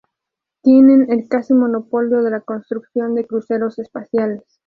Tienen el casi monopolio de la construcción de cruceros espaciales.